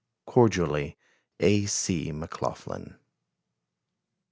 Cordially, A. C. MCLAUGHLIN.